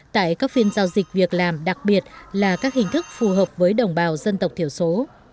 tại các phiên giao dịch việc làm đặc biệt là các hình thức phù hợp với đồng bào dân tộc thiểu số